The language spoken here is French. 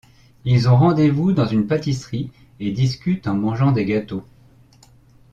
Ils ont rendez-vous dans une pâtisserie et discutent en mangeant des gâteaux.